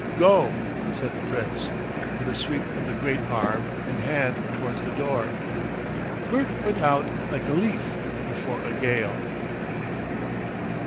"Go!" said the Prince, with a sweep of the great arm and hand towards the door. Bert went out like a leaf before a gale.